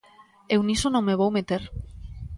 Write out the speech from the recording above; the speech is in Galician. Eu niso non me vou meter.